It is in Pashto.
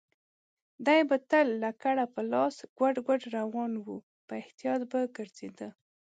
دی به تل لکړه په لاس ګوډ ګوډ روان و، په احتیاط به ګرځېده.